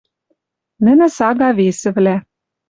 Нӹнӹ сага весӹвлӓ